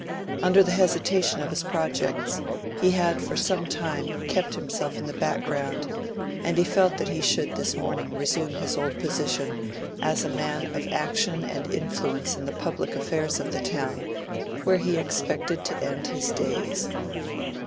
Under the hesitation of his projects, he had for some time kept himself in the background, and he felt that he should this morning resume his old position as a man of action and influence in the public affairs of the town where he expected to end his days.